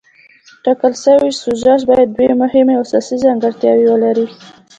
ټاکل شوې سوژه باید دوه مهمې او اساسي ځانګړتیاوې ولري.